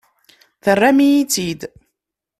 Terram-iyi-tt-id.